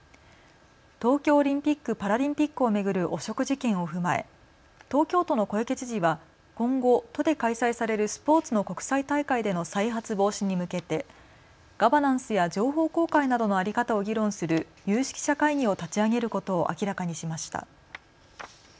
東京オリンピック・パラリンピックを巡る汚職事件を踏まえ東京都の小池知事は今後、都で開催されるスポーツの国際大会での再発防止に向けてガバナンスや情報公開などの在り方を議論する有識者会議を立ち上げることを明らかにしました。